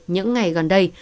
những ngày gần đây